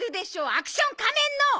『アクション仮面』の！